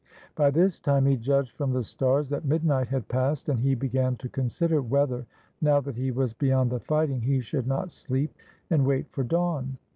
By this time he judged from the stars that midnight had passed, and he began to consider whether, now that he was beyond the fighting, he should not sleep and wait for dawn.